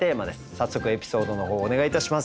早速エピソードの方お願いいたします。